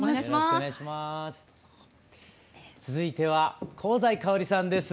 続いては香西かおりさんです。